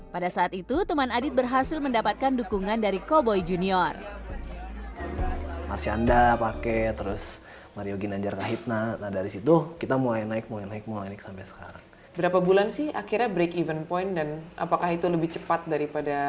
pada saat itu teman adit berhasil mendapatkan dukungan dari koboi junior